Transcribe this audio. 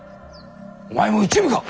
お前も一味か？